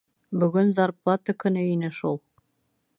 Бөгөн зарплата көнө ине шул.